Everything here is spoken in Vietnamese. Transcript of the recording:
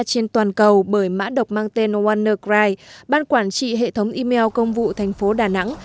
trên toàn cầu bởi mã độc mang tên nohanner gride ban quản trị hệ thống email công vụ thành phố đà nẵng